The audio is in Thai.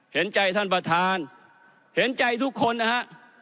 เห็นใจท่านประธานเห็นใจทุกคนนะฮะ